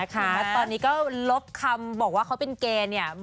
แล้วตอนนี้ก็ลบคำบอกว่าเขาเป็นเกย์เนี่ย